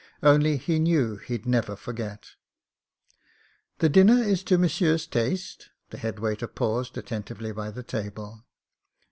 Only he knew he'd never forget. *'The dinner is to monsieur's taste?" The head waiter paused attentively by the table.